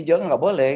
jangan tidak boleh